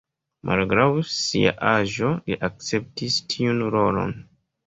Malgraŭ sia aĝo, li akceptis tiun rolon.